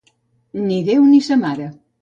Ni Déu ni sa mare